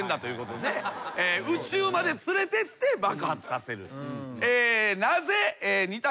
宇宙まで連れてって爆発させる。